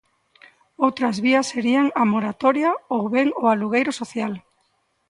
Outras vías serían a moratoria ou ben o alugueiro social.